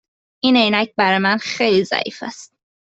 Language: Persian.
این عینک برای من خیلی ضعیف است.